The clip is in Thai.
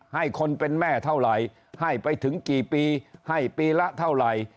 ให้คนเป็นแม่เท่าไหร่ให้ไปถึงกี่ปีให้ปีละเท่าไหร่